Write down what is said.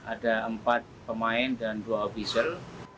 ada empat pemain dan dua official